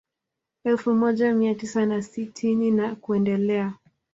Elfu moja mia tisa na sitini na kuendelea